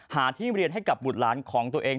หาที่เรียนให้กับบุตรหลานของตัวเอง